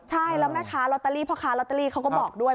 ใช่แล้วแม่ค้าลอตเตอรี่พ่อค้าลอตเตอรี่เขาก็บอกด้วย